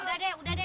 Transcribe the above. udah deh udah deh